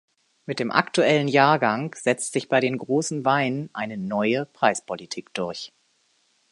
Mit dem aktuellen Jahrgang setzt sich bei den großen Weinen eine neue Preispolitik durch.